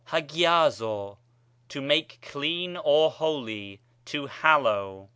ἁγιάζω, to make clean or holy, to hallow.